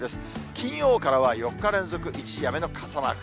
金曜からは４日連続一時雨の傘マーク。